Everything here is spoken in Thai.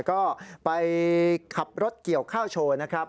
ก็ไปขับรถเกี่ยวข้าวโชว์นะครับ